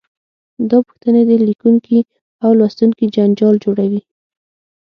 دا پوښتنې د لیکونکي او لوستونکي جنجال جوړوي.